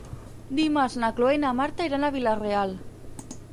Dimarts na Cloè i na Marta iran a Vila-real.